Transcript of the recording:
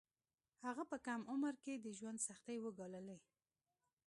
هغه په کم عمر کې د ژوند سختۍ وګاللې